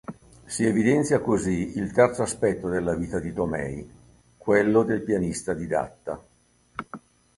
Si evidenzia così il terzo aspetto della vita di Tomei, quello del pianista didatta.